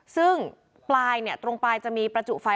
ซึ่งปลายตรงปลายจะมีประจุไฟ